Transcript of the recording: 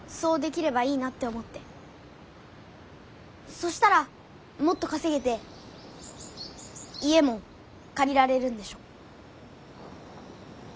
そしたらもっと稼げて家も借りられるんでしょ？